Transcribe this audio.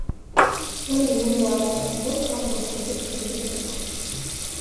Այն լինում է արծաթազօծ կամ ոսկեզօծ թելերի տեսքով։